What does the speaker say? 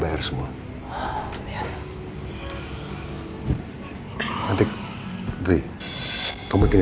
ya mau pulang